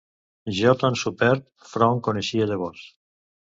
Jo ton superb front coneixia llavors